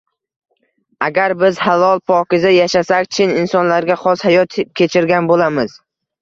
Agar biz halol-pokiza yashasak, chin insonlarga xos hayot kechirgan bo‘lamiz.